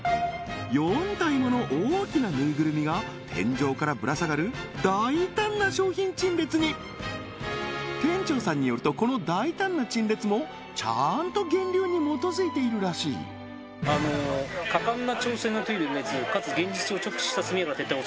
４体もの大きなぬいぐるみが天井からぶら下がる大胆な商品陳列に店長さんによるとこの大胆な陳列もちゃんと「源流」に基づいているらしい実は伊東さん